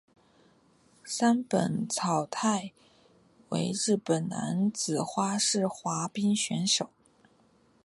山本草太为日本男子花式滑冰选手。